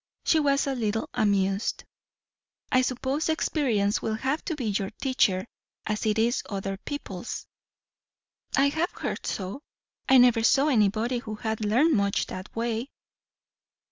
She was a little amused. "I suppose experience will have to be your teacher, as it is other people's." "I have heard so; I never saw anybody who had learned much that way."